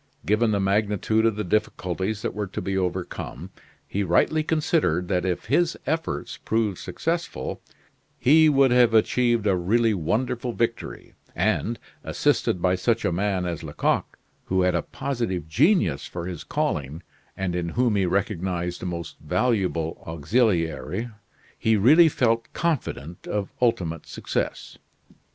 Given the magnitude of the difficulties that were to be overcome, he rightly considered that if his efforts proved successful, he would have achieved a really wonderful victory. And, assisted by such a man as Lecoq, who had a positive genius for his calling, and in whom he recognized a most valuable auxiliary, he really felt confident of ultimate success.